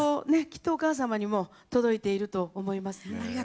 きっとお母様にも届いていると思います。